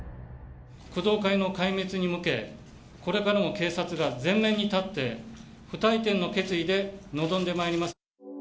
工藤会の壊滅に向け、これからも警察が前面に立って、不退転の決意で臨んでまいります。